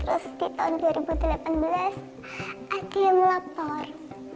terus di tahun dua ribu delapan belas ada yang lapor